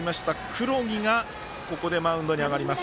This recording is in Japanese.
黒木がここでマウンドに上がります。